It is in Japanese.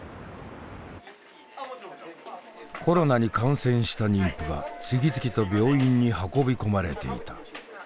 コロナに感染した妊婦が次々と病院に運び込まれていた。